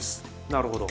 なるほど。